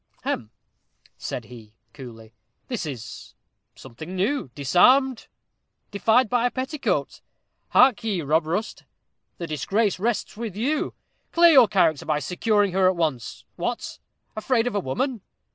"Hem!" said he, coolly; "this is something new disarmed defied by a petticoat. Hark ye, Rob Rust, the disgrace rests with you. Clear your character, by securing her at once. What! afraid of a woman?"